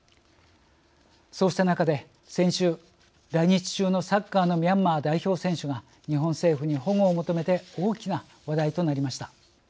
そうした中で先週来日中のサッカーのミャンマー代表選手が日本政府に保護を求めて大きな話題となりました。